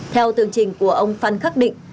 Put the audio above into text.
theo tương trình của ông phan khắc định